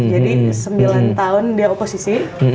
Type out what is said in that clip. jadi sembilan tahun dia oposisi